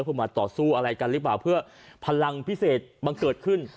เพื่อมาต่อสู้อะไรกันหรือเปล่าเพื่อพลังพิเศษมันเกิดขึ้น